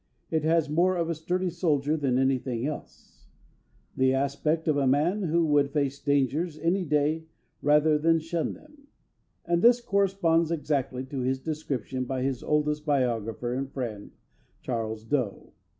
It has more of a sturdy soldier than anything else the aspect of a man who would face dangers any day rather than shun them; and this corresponds exactly to his description by his oldest biographer and friend, Charles Doe....